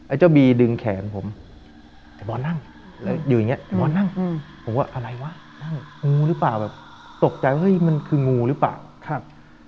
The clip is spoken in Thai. เจ้าบีดึงแขนผมไอ้บอลนั่งแล้วอยู่อย่างเงี้ไอ้บอสนั่งผมว่าอะไรวะนั่งงูหรือเปล่าแบบตกใจเฮ้ยมันคืองูหรือเปล่าครับ